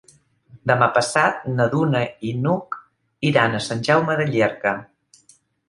Demà passat na Duna i n'Hug iran a Sant Jaume de Llierca.